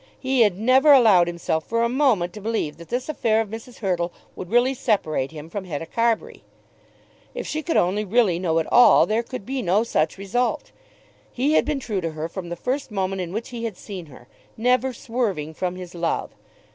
He had never allowed himself for a moment to believe that this affair of Mrs. Hurtle would really separate him from Hetta Carbury. If she could only really know it all, there could be no such result. He had been true to her from the first moment in which he had seen her, never swerving from his love.